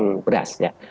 untuk beras ya